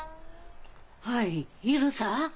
はいいるさ。